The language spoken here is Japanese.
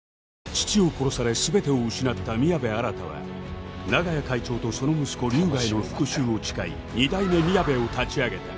父を殺され全てを失った宮部新は長屋会長とその息子龍河への復讐を誓い二代目みやべを立ち上げた